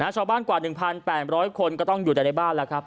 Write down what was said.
ชาวบ้านกว่า๑๘๐๐คนก็ต้องอยู่แต่ในบ้านแล้วครับ